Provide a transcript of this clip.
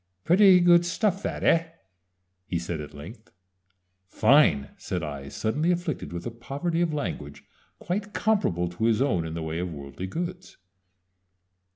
"Pretty good stuff, that, eh?" he said, at length. "Fine!" said I, suddenly afflicted with a poverty of language quite comparable to his own in the way of worldly goods.